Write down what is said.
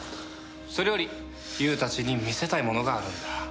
それよりユーたちに見せたいものがあるんだ。